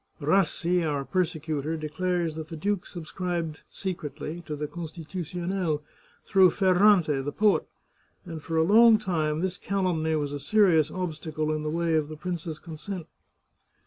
Rassi, our persecutor, declares that the duke subscribed secretly to the Constitutionnel, through Fer rante, the poet; and for a long time this calumny was a serious obstacle in the way of the prince's consent."